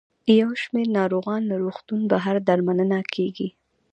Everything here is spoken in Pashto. یو شمېر ناروغان له روغتون بهر درملنه کیږي.